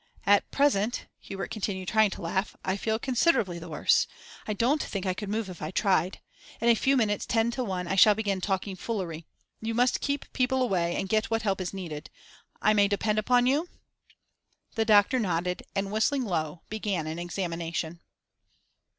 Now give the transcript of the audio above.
'At present,' Hubert continued, trying to laugh, 'I feel considerably the worse. I don't think I could move if I tried. In a few minutes, ten to one, I shall begin talking foolery. You must keep people away; get what help is needed. I may depend upon you?' The doctor nodded, and, whistling low, began an examination.